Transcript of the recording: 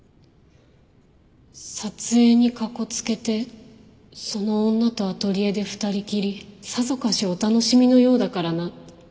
撮影にかこつけてその女とアトリエで２人きりさぞかしお楽しみのようだからな。